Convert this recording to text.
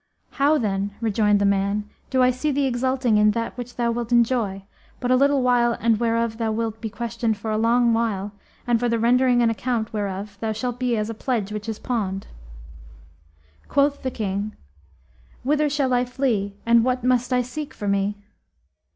'How then,' rejoined the man, 'do I see thee exulting in that which thou wilt enjoy but a little while and whereof thou wilt be questioned for a long while and for the rendering an account whereof thou shalt be as a pledge which is pawned?' Quoth the King, 'Whither shall I flee and what must I seek for me?'